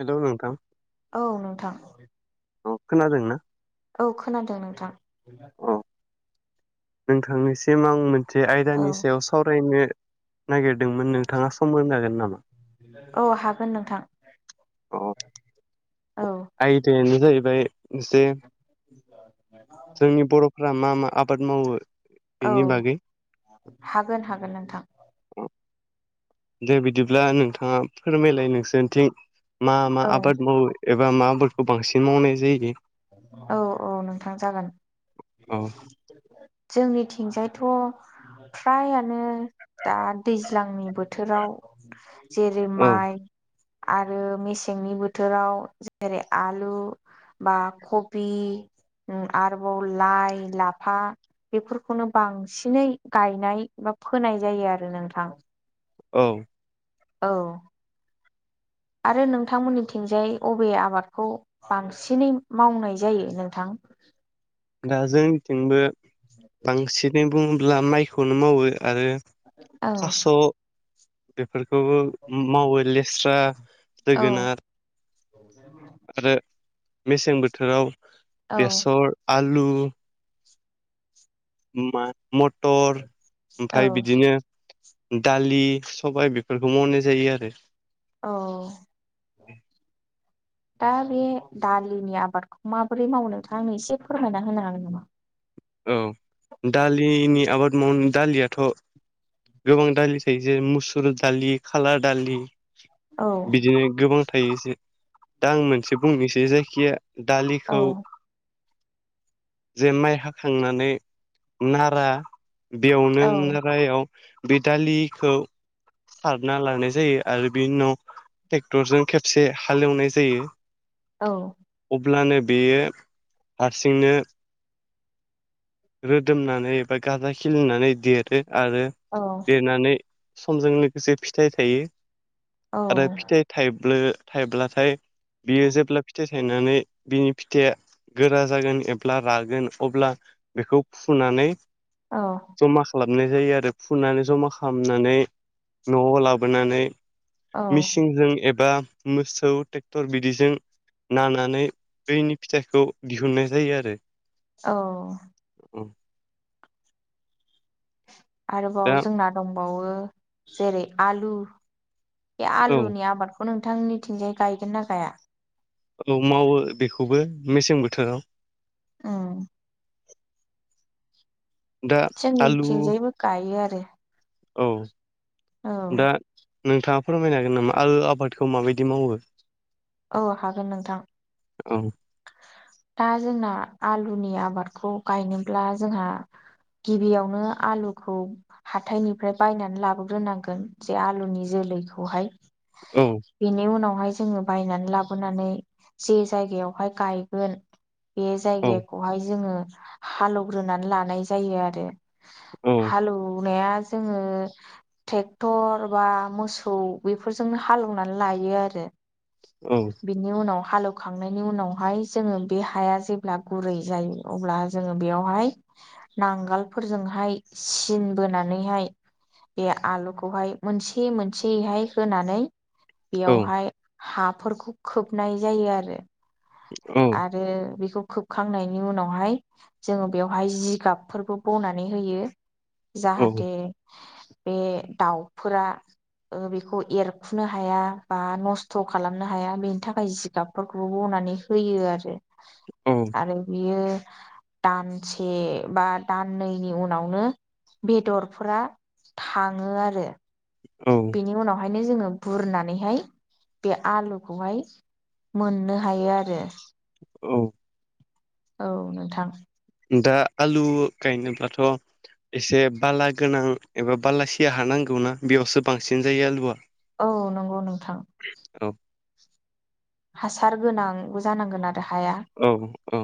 हेल' नोंथां औ नोंथां। अ खोनादोंना? औ खोनादों नोंथां। औ नोंथांनिसिम आं मोनसे औ आयदानि सायाव सावरायनो नागिरदोंमोन नोंथाङा सम होनो हागोन नामा? औ हागोन नोंथां। अ औ आयदायानो जाहैबाय जे जोंनि बर'फोरा मा मा आबाद मावो? औ बेनि बागै हागोन हागोन नोंथां। औ दे बिदिब्ला नोंथाङा फोरमायलाय नोंसोरथिं मा मा औ आबाद मावो एबा मा आबादखौ बांसिन मावनाय जायो। औ औ नोंथां जागोन। औ जोंनिथिंजायथ' फ्रायानो दा दैज्लांनि बोथोराव औ जेरै--माइ आरो मेसेंनि बोथोराव जेरै--आलु बा कबि आरोबाव लाइ लाफा। बेफोरखौनो बांसिनै गायनाय बा फोनाय जायो आरो नोंथां। औ औ [inaudible] आरो नोंथांमोननिथिंजायै अबे आबादखौ बांसिनै मावनाय जायो नोंथां। [inaudible] दा जोंनिथिंबो बांसिनै बुङोब्ला माइखौनो मावो आरो औ थास' बेफोरखौबो मावो लेस्रा औ जोगोनार आरो मेसें बोथोराव औ बेसर, आलु मा मटर औ ओमफ्राय बिदिनो दालि सबाय बेफोरखौ मावनाय जायो आरो। औ उम दा बे दालिनि आबादखौ माबोरै मावो नोंथाङा आंनो एसे फोरमायना होनो हागोन नामा? औ दालिनि आबाद मावनो दालियाथ' गोबां दालि थायो जेरै मुसुर दालि खालाक् दालि औ बिदिनो गोबां। थायो दा आं मोनसे बुंनोसै जायखिया औ दालिखौ जे माइ हाखांनानै नारा बेयावनो औ नारायाव बे दालिखौ सारना लानाय जायो आरो बिनि उनाव ट्रेक्टरजों खेबसे हालेवनाय जायो। औ अब्लानो बेयो हारसिंनो रोदोमनानै एबा गाजा खिलिनानै देरो आरो औ देरनानै समजों लोगोसे फिथाइ थायो आरो फिथाइ थाइब्लो थाइब्लाथाय बियो जेब्ला फिथाइ फथायनानै बिनि फिथाइया गोरा जागोन एब्ला रागोन अब्ला बेखौ फुनानै औ जमा जायो आरो फुनानै जमा खालामनानै न'आव लाबोनानै औ मिसिनजों एबा मोसौ ट्रेक्टर बिदिजों नानानै बैनि फिथाइखौ दिहुननाय जायो आरो। औ औ आरोबाव दा जोंना दंबावो जेरै आलु, बे औ आलुनि आबादखौ नोंथांनिथिंजाय गायगोन ना गाया? औ मावो बेखौबो मेसें बोथोराव औ दा आलु जोंनिथिंजायबो गायो आरो औ औ दा नोंथाङा फोरमायनो हागोन नामा आल आबादखौ माबायदि मावो औ हागोन नोंथां औ दा जोंना आलुनि आबादखौ गायनोब्ला जोंहा गिबियावनो आलुखौ हाथथायनिफ्राय बायनानै लाबोग्रोनांगोन जे आलुनि जोलै लैखौहाय औ बिनि उनावहाय जोङो बायनानै लाबोनानै जे जायगायावहाय गायगोन बे औ जायगाखौहाय जोङो हालेवग्रोनानै लानाय जायो आरो औ हालौ नाया जोङो ट्रेक्टर बा मोसौ बेफोरजोंनो हालौवनानै लायो आरो औ बिनि उनाव हालौवखांनायनि उनावहाय जोङो बे हाया जेब्ला गुरै जायो अब्ला जोङो बेयावहाय नांगोलफोरजोंहाय सिनबोनानैहाय बे आलुखौहाय मोनसे मोनसेयैहाय होनानै औ बेयावहाय हाफोरखौ खोबनाय जायो आरो आरो बेखौ खोबखांनायनि उनावहाय जोङो बेवहाय जिगाबफोरबो बनानै होयो औ जाहाथे बे दाउफोरा बेखौ एरखुनो हाया बा नस्थ' खालामनो हाया बेनि थाखाय जिगाबफोरखौबो बनानै होयो औ आरो-आरो बियो दानसे बा दाननैनि उनावनो बेदरफोरा थाङो आरो औ बेनि उनावहाय ओंखायनो जोङो बुरनानैहाय बे आलुखौहाय मोननो हायो आरो औ औ नोंथां दा आलु गायनोब्लाथ' एसे बाला गोनां एबा बाला सिया हानांगौना बेयावसो बांसिन जायो आलुआ औ नंगौ नोंथां [inaudible] हासार गोनां जानांगोन आरो हाया औ औ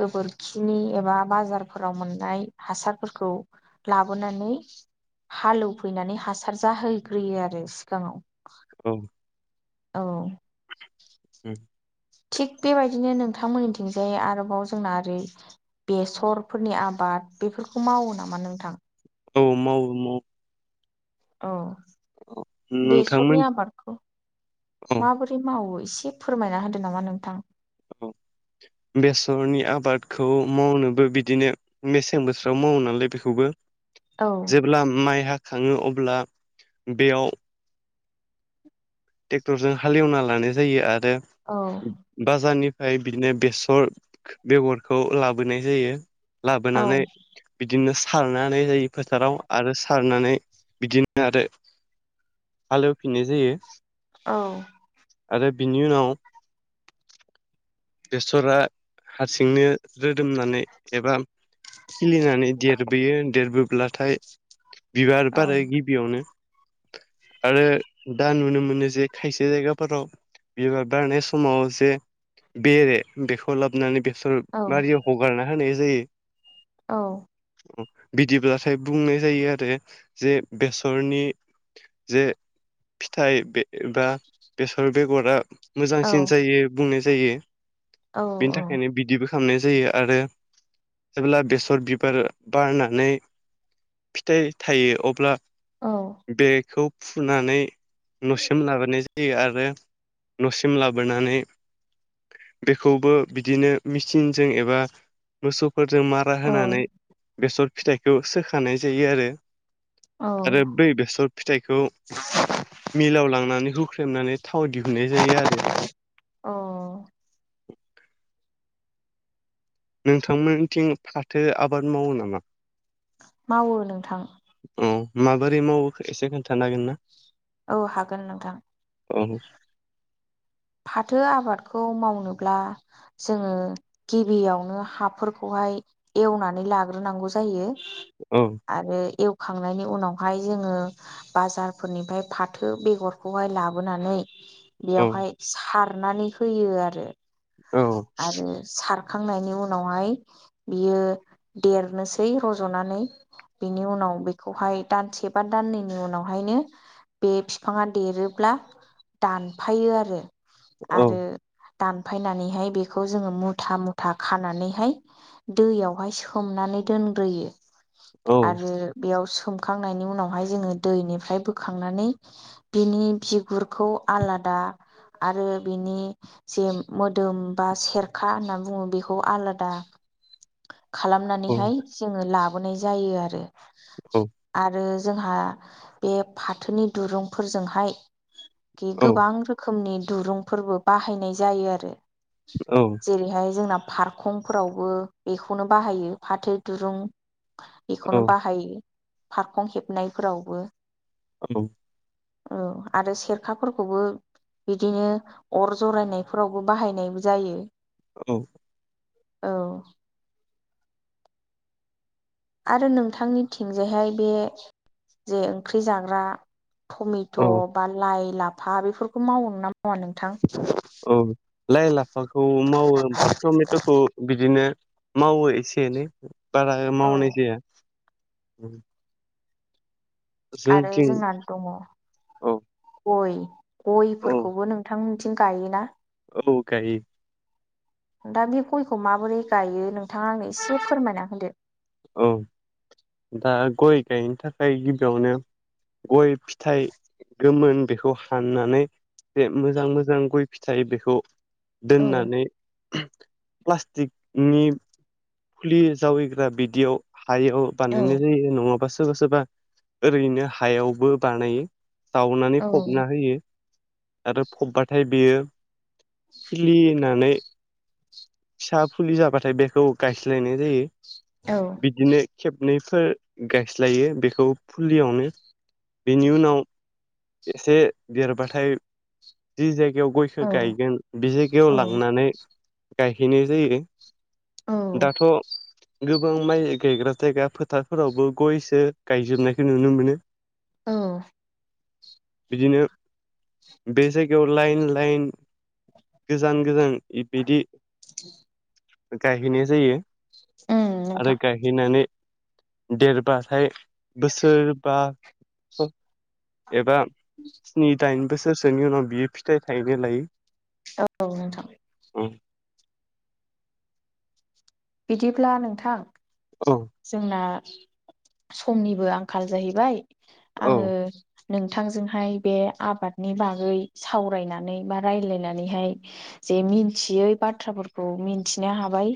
गोबोरखिनि एबा बाजारफोराव मोननाय हासारफोरखौ लाबोनानै हालौफैनानै हासार जाहैग्रोयो आरो सिगाङाव औ औ थिग बेबायदिनो नोंथांमोननिथिंजाय आरोबाव जोंना ओरै बेसरफोरनि आबाद बेफोरखौ मावो नामा नोंथां? औ मावो माव औ नोंथांमोन बेसरनि आबादखौ औ माबोरै मावो? एसे फोरमायना होदो नामा नोंथां? औ बेसरनि आबादखौ मावनोबो बिदिनो मेसें बोथोराव मावो नालाय बेखौबो औ जेब्ला माइ हाखाङो अब्ला बेयाव ट्रेक्टरजों हालेवना लानाय जायो आरो औ बाजारनि फाय बिदिनो बेसर बेगरखौ लाबोनाय जायो औ लाबोनानै बिदिनो सारनानै जायो फोथाराव आरो सारनानै बिदिनो आरो हालेवफिननाय जायो औ आरो बिनि उनाव बेसरा हारसिंनो रोदोमनानै एबा खिलिनानै देरबोयो देरबोब्लाथाय बिबार औ बार गिबियावनो आरो दा नुनो मोनो जे खायसे जायगाफोराव बिबार बारनाय समाव जे बेरे बेखौ लाबोनानै बेसर औ बारियाव हगारना होनाय जायो औ बिदिब्लाथाय बुंनाय जायो आरो जे बेसरनि जे फिथाइ एबा बेसर बेगरा औ मोजांसिन जायो बुंनाय जायो बेनि थाखायनो बिदिबो खालामनाय जायो आरो जेब्ला बेसर बिबार बारनानै फिथाइ थायो अब्ला बेखौ फुनानै न'सिम लाबोनाय जा रो आरो न'सिम लाबोनानै बेखौबो बिदिनो मेचिनजों एबा मोसौ फोरजों मारा औ होनानै बेसर फिथाइखौ सोखानाय जायो आरो औ आरो बै बेसर फिथाइखौ मिलाव लांनानै हुख्रेमनानै थाव दिहुननाय जायो आरो औ नोंथांमोनथिं फाथो आबाद मावो नामा? मावो नोंथां। औ माबोरै मावो एसे खोन्थानो हागोन ना? औ हागोन नोंथां। औ [inaudible] फाथो आबादखौ मावनोब्ला जोङो गिबियावनो हाफोरखौहाय हाय एवनानै लाग्रोनांगौ जायो औ आरो एल खांनायनि उनावहाय जोङो बाजारफोरनिफ्राय फाथो बेगरखौहाय लाबोनानै औ बेयावहाय सारनानै होयो आरो औ हरखांनायनि उनावहाय बियो देरनोसै रज'नानै बिनि उनाव नाव बेखौहाय दानसे बा दाननैनि उनावहायनो बे फिफाङा देरोब्ला दानफायो आरो औ आरो दानफायनानैहाय बे खौ जोङो मुथा मुथा खानानैहाय दैयावहाय सोमनानै दोनग्रोयो औ आरो बेयाव सोमखांनायनि उनावहाय जोङो दैनिफ्राय बोखांनानै बिनि बिगुरखौ आलाद [inaudible] आरो बिनि जे मोदोम बा सेरखा होनना बुङो बेखौ आलादा औ खालामनानैहाय जोङो लाबोनाय जायो आरो आरो जोंहा बे फाथोनि दुरुंफोरजोंहाय कि गोबां रोखोमनि दुरुंफोरबो बाहायनाय जायो आरो जेरैहाय जोंना फारखंफोरावबो बेखौनो बाहायो फाथो दुरुं औ बेखौनो बाहायो फारखं हेबनायफोरावबो औ औ आरो सेरखाफोरखौबो बिदिनो अर जरायनायफोरावबो बाहायनाय जायो औ औ आरो नोंथांनि थिंजाय हाय बे जे ओंख्रि जाग्रा टमेट' औ बा लाइ लाफा बेफोरखौ मावो ना मावा नोंथां? औ लाइ लाफाखौ मावो ओमफ्राय टमेट'खौ बिदिनो मावो एसे एनै बारा औ मावनाय जाया। आरो जोंथिं जोंना दङ औ गय औ गयफोरखौबो नोंथांमोनथिं गायोना? औ गायो। दा बे गयखौ माबोरै गायो नोंथाङा आंनो एसे फोरमायना होदो। औ दा गय गायनो थाखाय गिबियावनो गय फि फिथाइ गोमोन बेखौ हाननानै बे मोजां मोजां गय फिथाइ बेखौ औ दोननानै प्लास्टिकनि फुलि जावैग्रा बिदियाव हायाव औ बानायनाय जायो नङाबा सोरबा सोरबा ओरैनो हायावबो बानायो जावनानै औ फबना होयो। आरो फबबाथाय बेयो खिलि होननानै फिसा फुलि जाबाथाय बेखौ गायस्लायनाय जायो औ बिदिनो खेबनै फोर गायस्लायो बेखौ फुलियावनो बेनि उनाव एसे देरबाथाय जि जाय जायगायाव गयखो गायगोन बे जायगायाव औ लांनानै गायहैनाय जायो। दाथ' गोबां माइ गायग्रा जायग्रा फोथारफोरावबो गयसो गायजोबनायखौ नुनो मोनो। औ बिदिनो बे जायगायाव लाइन लाइन गोजान गोजान बेदि [inaudible] गायहैनाय जायो उम आरो नोंथां गायहैनानै देरबाथाय बोसोरबा [inaudible] एबा स्नि दाइन बोसोरसोनि उनाव बियो फिथाइ थायनो लायो। औ नोंथां। औ बिदिब्ला नोंथां औ जोंना समनिबो आंखाल जाहैबाय औ आङो नोंथांजोंहाय बे आबादनि बागै सावरायनानै बा रायज्लायनानैहाय जे मिथियै बाथ्राफोरखौ मिथिनो हाबाय।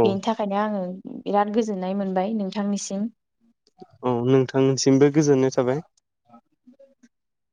औ बेनि थाखायनो आङो बिराद गोजोननाय मोनबाय नोंथांनिसिम। औ नोंथांसिमबो गोजोननाय थाबाय। [inaudible]